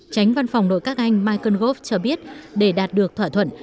tránh văn phòng nội các anh michael gove cho biết để đạt được thỏa thuận